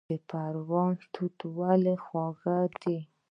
د پروان توت ولې خوږ دي؟